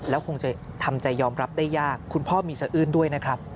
แล้วคงจะทำใจยอมรับได้ยากคุณพ่อมีสะอื้นด้วยนะครับ